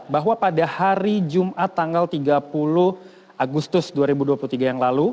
bahwa pada hari jumat tanggal tiga puluh agustus dua ribu dua puluh tiga yang lalu